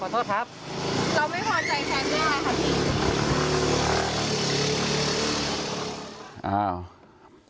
ก็ไม่พอใจแฟนด้วยครับพี่